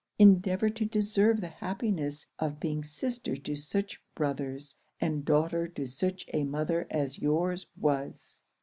Endeavour to deserve the happiness of being sister to such brothers, and daughter to such a mother as yours was!"